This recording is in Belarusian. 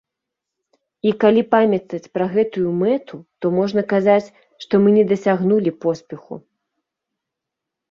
І калі памятаць пра гэтую мэту, то можна казаць, што мы не дасягнулі поспеху.